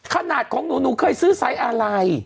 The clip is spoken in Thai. ขนาดของหนูหนูเคยซื้อไซส์อะไร